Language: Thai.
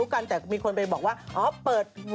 ของพี่ยังใช้โทรเลคอยู่